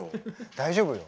大丈夫よ。